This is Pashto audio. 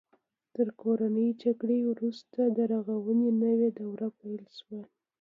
تر کورنۍ جګړې وروسته د رغونې نوې دوره پیل شوه.